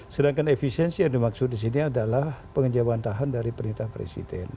sedangkan efisiensi yang dimaksud di sini adalah pengejauhan tahan dari perintah presiden